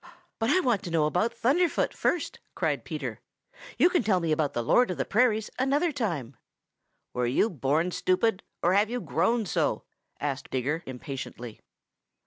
"But I want to know about Thunderfoot first!" cried Peter. "You can tell me about the Lord of the Prairies another time." "Were you born stupid or have you grown so?" asked Digger impatiently.